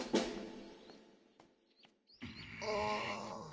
ああ。